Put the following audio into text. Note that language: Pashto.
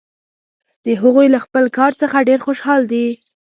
هغوی له خپل کار څخه ډېر خوشحال دي